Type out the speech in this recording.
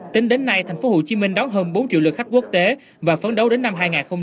tính đến nay tp hcm đón hơn bốn triệu lượt khách quốc tế và phấn đấu đến năm hai nghìn hai mươi